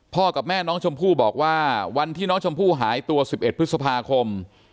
กับแม่น้องชมพู่บอกว่าวันที่น้องชมพู่หายตัว๑๑พฤษภาคม